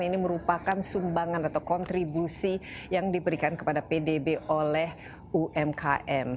ini merupakan sumbangan atau kontribusi yang diberikan kepada pdb oleh umkm